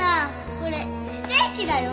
これステーキだよ！